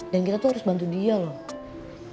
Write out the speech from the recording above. dan kita tuh harus bantu dia loh